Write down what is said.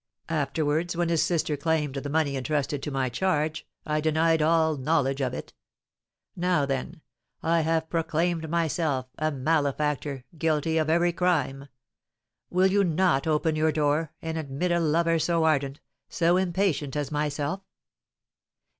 Afterwards, when his sister claimed the money entrusted to my charge, I denied all knowledge of it. Now, then, I have proclaimed myself a malefactor, guilty of every crime. Will you not open your door, and admit a lover so ardent, so impatient as myself?"